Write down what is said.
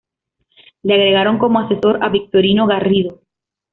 Le agregaron como asesor a Victorino Garrido.